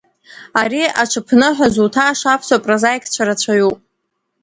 Ари аҽыԥныҳәа зуҭаша аԥсуа прозаикцәа рацәаҩуп.